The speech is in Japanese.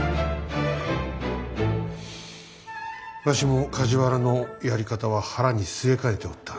わしも梶原のやり方は腹に据えかねておった。